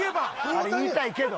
あれ言いたいけど。